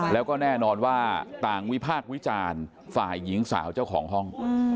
แล้วก็แน่นอนว่าต่างวิพากษ์วิจารณ์ฝ่ายหญิงสาวเจ้าของห้อง